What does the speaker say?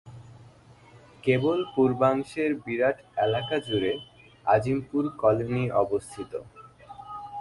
কেবল পূর্বাংশের বিরাট এলাকাজুড়ে আজিমপুর কলোনী অবস্থিত।